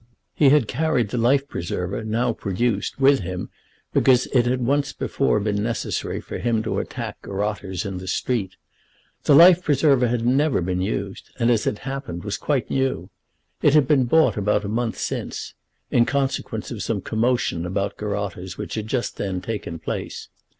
He had carried the life preserver now produced with him because it had once before been necessary for him to attack garotters in the street. The life preserver had never been used, and, as it happened, was quite new. It had been bought about a month since, in consequence of some commotion about garotters which had just then taken place.